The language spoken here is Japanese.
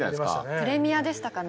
プレミアでしたかね？